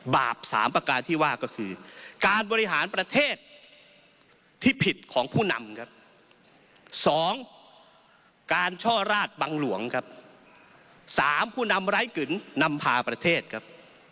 บาป๓ประการที่ว่าก็คือการบริหารประเทศที่ผิดของผู้นำครับ